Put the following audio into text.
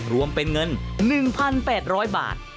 รวมเป็นเงิน๑๘๐๐บาท